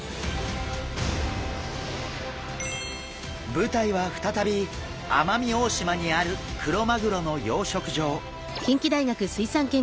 舞台は再び奄美大島にあるクロマグロの養殖場。